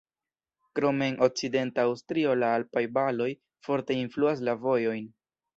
Krome en okcidenta Aŭstrio la alpaj valoj forte influas la vojojn.